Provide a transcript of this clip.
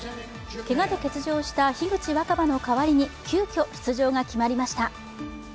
けがで欠場した樋口新葉の代わりに急きょ出場が決まりました。